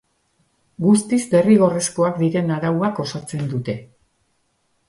Guztiz derrigorrezkoak diren arauak osatzen dute.